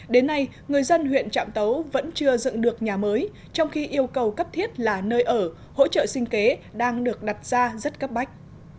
đến nay người dân huyện trạm tấu vẫn chưa dựng được nhà mới trong khi yêu cầu cấp thiết là nơi ở hỗ trợ sinh kế đang được đặt ra rất cấp bách